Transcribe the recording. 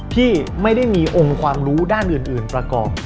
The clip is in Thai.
ที่ไม่ได้มีองค์ความรู้ด้านอื่นประกอบ